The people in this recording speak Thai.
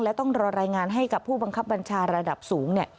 และต้องรอรายงานให้กับผู้บังคับบัญชาระดับสูง